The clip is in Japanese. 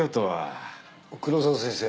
黒沢先生